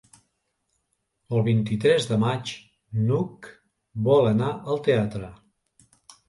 El vint-i-tres de maig n'Hug vol anar al teatre.